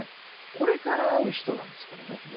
これから会う人なんですこれね。